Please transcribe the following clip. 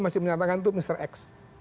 masih menyatakan itu mr x